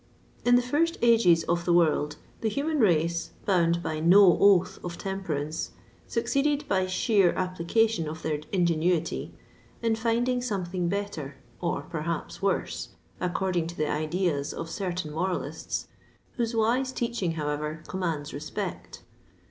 In the first ages of the world, the human race, bound by no oath of temperance, succeeded, by sheer application of their ingenuity, in finding something better, or perhaps worse, according to the ideas of certain moralists, whose wise teaching, however, commands respect.